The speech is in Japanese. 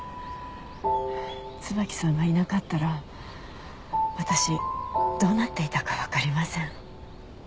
椿さんがいなかったら私どうなっていたか分かりません。